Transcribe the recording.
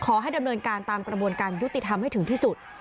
ขอให้ดำเนินการตามกระบวนการยุติธรรมให้ถึงที่สุด